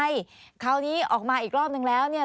สนุนโดยน้ำดื่มสิง